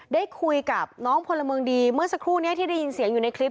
ได้คุยกับน้องพลเมืองดีเมื่อสักครู่นี้ที่ได้ยินเสียงอยู่ในคลิป